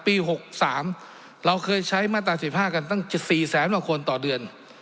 ปีหกสามเราเคยใช้มาตราเจ็ดห้ากันตั้งสี่แสนบาทคนต่อเดือน